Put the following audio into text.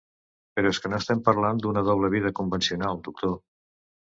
Però és que no estem parlant d'una doble vida convencional, doctor.